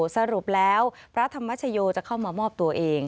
สรุปแล้วพระธรรมชโยจะเข้ามามอบตัวเอง